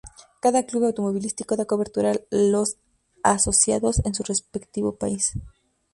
Cada club automovilístico, da cobertura a los asociados en su respectivo país.